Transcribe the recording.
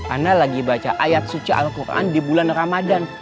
ana lagi baca ayat suci alquran di bulan ramadhan